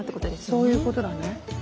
そういうことだね。